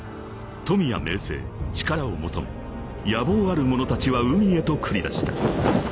［富や名声力を求め野望ある者たちは海へと繰り出した］